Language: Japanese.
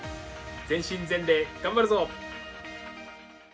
全身全霊、頑張るぞ！